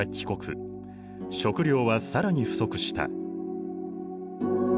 食糧は更に不足した。